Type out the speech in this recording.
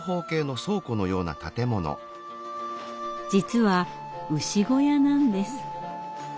実は牛小屋なんです。